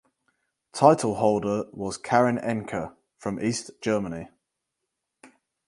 Title holder was Karin Enke from East Germany.